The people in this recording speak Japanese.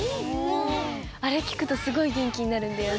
あれきくとすごいげんきになるんだよね。